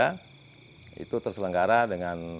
dan juga itu terselenggara dengan